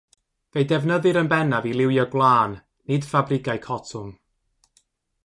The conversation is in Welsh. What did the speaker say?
Fe'u defnyddir yn bennaf i liwio gwlân, nid ffabrigau cotwm.